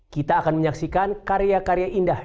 kita akan menyaksikan karya karya indah